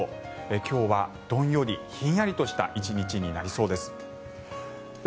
今日はどんより、ひんやりとした１日になりそうです。